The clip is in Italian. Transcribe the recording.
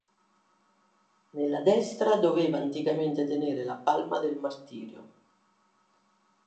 Nella destra doveva anticamente tenere la palma del martirio.